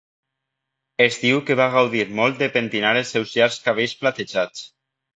Es diu que va gaudir molt de pentinar els seus llargs cabells platejats.